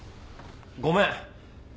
ごめん！